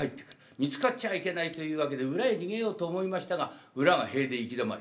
見つかっちゃいけないというわけで裏へ逃げようと思いましたが裏が塀で行き止まり。